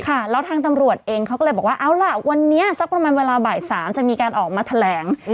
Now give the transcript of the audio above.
ค่ะแล้วทางตำรวจเองเขาก็เลยบอกว่าเอาล่ะวันนี้สักประมาณเวลาบ่าย๓จะมีการออกมาแถลง